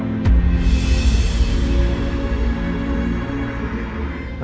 saya yang ada disitu